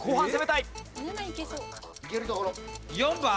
いけるところ。